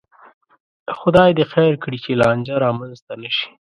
خدای دې خیر کړي، چې لانجه را منځته نشي